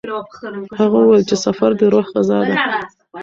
هغه وویل چې سفر د روح غذا ده.